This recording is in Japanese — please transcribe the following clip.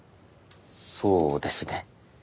そうですね。